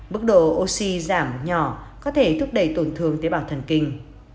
mức độ oxy giảm nhỏ có thể thúc đẩy tổn thương tế bào thần kinh